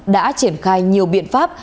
đã triển khai nhiều biện pháp